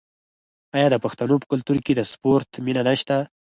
آیا د پښتنو په کلتور کې د سپورت مینه نشته؟